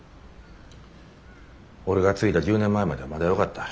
俺が継いだ１０年前まではまだよかった。